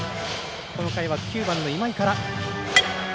この回は９番の今井から。